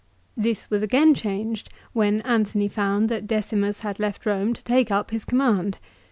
This was again changed when Antony found that Decimus had left Eome to take up his command.